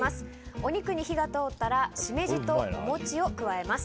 お肉に火が通ったらシメジと、お餅を加えます。